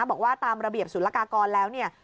บอกว่าตามระเบียบศูนย์ละกากรแล้วเนี่ย